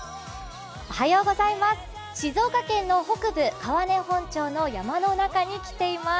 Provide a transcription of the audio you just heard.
静岡県の北部、川根本町の山の中に来ています。